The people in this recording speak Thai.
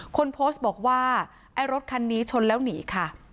คนโพสต์บอกว่าไอ้รถคันนี้ชนแล้วหนีค่ะ